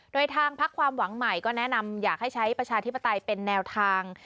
โดยทางพักความหวังใหม่ก็แนะนำอยากให้ใช้ประชาธิปไตยเป็นแนวทาง